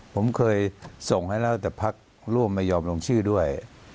ผมเคยส่งให้แล้วแต่พักร่วมไม่ยอมลงชื่อด้วย